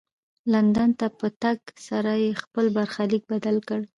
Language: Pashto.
لندن ته په تګ سره یې خپل برخلیک بدل کړ.